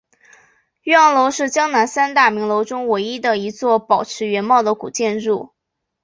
岳阳楼是江南三大名楼中唯一的一座保持原貌的古建筑。